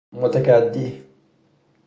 متکدی